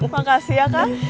makasih ya kang